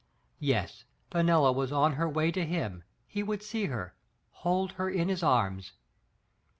Yes, Fenella was on her way to him, he would see her, hold her in his arms!